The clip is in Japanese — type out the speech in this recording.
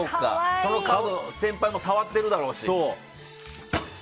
そのカードを先輩も触ってるだろうし。